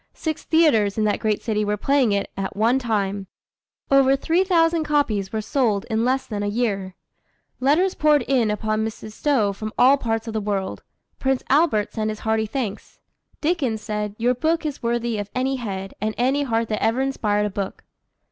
Six theatres in that great city were playing it at one time. Over three hundred thousand copies were sold in less than a year. Letters poured in upon Mrs. Stowe from all parts of the world. Prince Albert sent his hearty thanks. Dickens said, "Your book is worthy of any head and any heart that ever inspired a book."